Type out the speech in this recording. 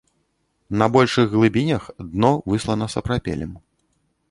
На большых глыбінях дно выслана сапрапелем.